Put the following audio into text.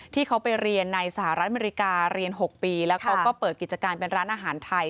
ที่เขาไปเรียนในสหรัฐอเมริกาเรียน๖ปีแล้วเขาก็เปิดกิจการเป็นร้านอาหารไทย